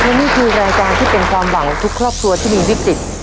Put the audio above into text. และนี่คือรายการที่เป็นความหวังของทุกครอบครัวที่มีวิกฤต